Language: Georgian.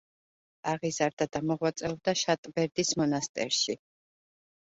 აღიზარდა და მოღვაწეობდა შატბერდის მონასტერში.